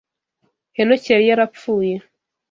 Henoki yari yarapfuye,